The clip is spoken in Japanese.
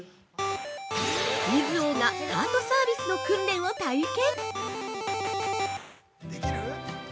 ◆クイズ王がカートサービスの訓練を体験。